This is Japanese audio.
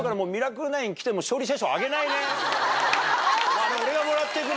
あれ俺がもらってくな！